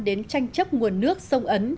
đến tranh chấp nguồn nước sông ấn